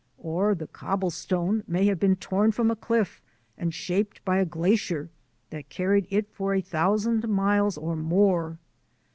Or the cobble stone may have been torn from a cliff and shaped by a glacier that carried it for a thousand miles or more.